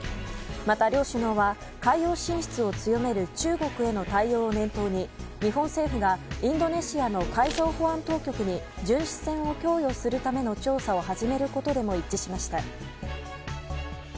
また、両首脳は海洋進出を強める中国への対応を念頭に日本政府がインドネシアの海上保安当局に巡視船を供与するための調査を始めることでも一致しました。